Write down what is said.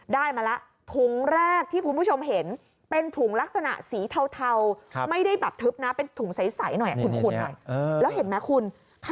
ได้มาแล้วถุงแรกที่คุณผู้ชมเห็น